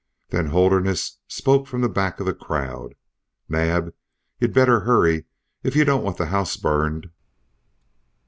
"Then Holderness spoke from the back of the crowd: 'Naab, you'd better hurry, if you don't want the house burned!'